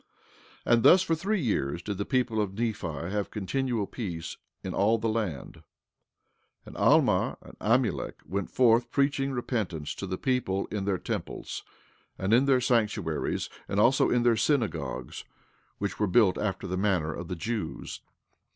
And thus for three years did the people of Nephi have continual peace in all the land. 16:13 And Alma and Amulek went forth preaching repentance to the people in their temples, and in their sanctuaries, and also in their synagogues, which were built after the manner of the Jews.